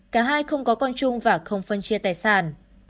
cả hai không có con chung và không phân chia tài sản